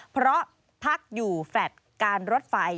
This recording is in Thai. เพราะพักอยู่แฟลตการรถไฟ